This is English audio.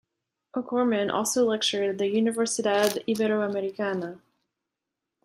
O'Gorman also lectured at the Universidad Iberoamericana.